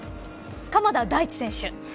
鎌田大地選手。